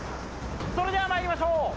それでは参りましょう。